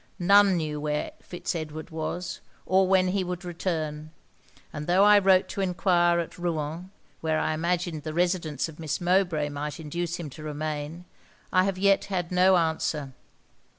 None knew where Fitz Edward was, or when he would return; and though I wrote to enquire at Rouen, where I imagined the residence of Miss Mowbray might induce him to remain, I have yet had no answer.